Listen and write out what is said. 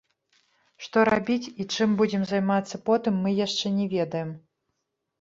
Што рабіць і чым будзем займацца потым, мы яшчэ не ведаем.